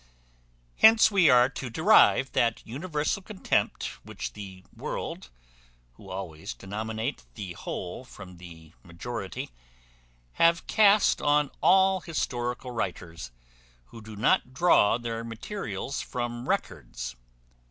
Hence we are to derive that universal contempt which the world, who always denominate the whole from the majority, have cast on all historical writers who do not draw their materials from records.